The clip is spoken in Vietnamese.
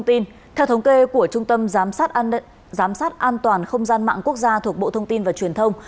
theo thống kê của trung tâm giám sát an toàn không gian mạng quốc gia thuộc bộ thông tin và truyền thông